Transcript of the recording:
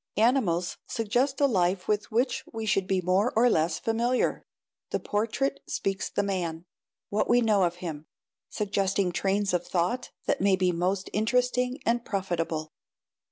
Animals suggest a life with which we should be more or less familiar. The portrait speaks the man, what we know of him, suggesting trains of thought that may be most interesting and profitable.